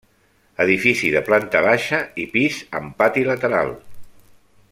Edifici de planta baixa i pis amb pati lateral.